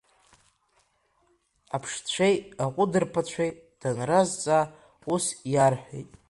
Аԥшцәеи аҟәыдырԥацәеи данрызҵаа, ус иарҳәеит…